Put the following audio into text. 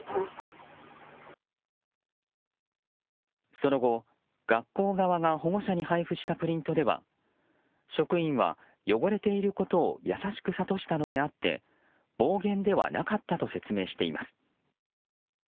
その後、学校側が保護者に配布したプリントでは職員は汚れていることを優しく諭したのであって暴言ではなかったと説明しています。